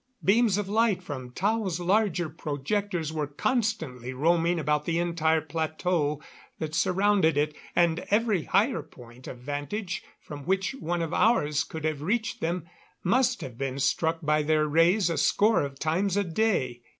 Beams of light from Tao's larger projectors were constantly roaming about the entire plateau that surrounded it, and every higher point of vantage from which one of ours could have reached them must have been struck by their rays a score of times a day.